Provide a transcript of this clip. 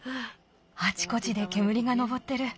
あちこちでけむりが上ってる。